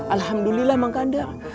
alhamdulillah mak kandar